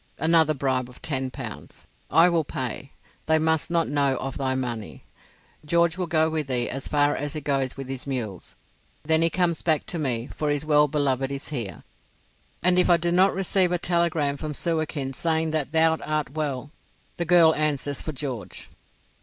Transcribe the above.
Another bribe of ten pounds. I will pay; they must not know of thy money. George will go with thee as far as he goes with his mules. Then he comes back to me, for his well beloved is here, and if I do not receive a telegram from Suakin saying that thou art well, the girl answers for George."